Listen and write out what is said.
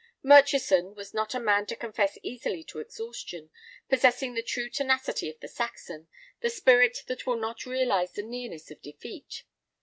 Murchison was not a man to confess easily to exhaustion, possessing the true tenacity of the Saxon, the spirit that will not realize the nearness of defeat.